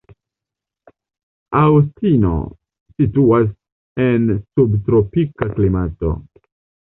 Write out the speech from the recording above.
Aŭstino situas en subtropika klimato.